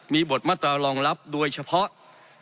มีบทมาตรารองรับโดยเฉพาะ